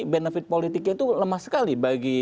benefit politiknya itu lemah sekali bagi